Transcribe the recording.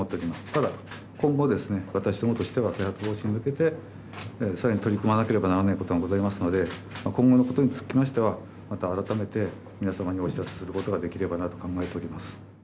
ただ今後ですね、私どもとしては再発防止に向けて、さらに取り組まなければならないことがございますので今後のことにつきましてはまた改めて皆さまにお知らせすることができればなと考えております。